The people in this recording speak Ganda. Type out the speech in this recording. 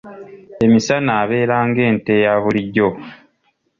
Emisana abeera ng'ente eya bulijjo.